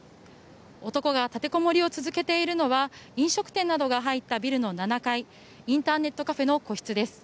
男が立てこもりを続けているのは飲食店などが入ったビルの７階インターネットカフェの個室です。